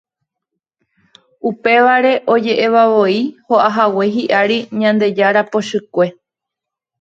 Upévare oje'evavoi ho'ahague hi'ári Ñandejára pochykue.